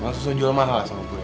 langsung jual mahal lah sama kue